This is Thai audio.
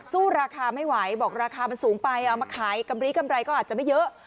ราคาไม่ไหวบอกราคามันสูงไปเอามาขายกำลีกำไรก็อาจจะไม่เยอะ